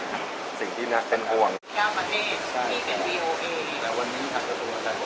แล้วก็น่าเกินจากนั้นต้องขอเกี่ยวกับศักดิ์สรรค์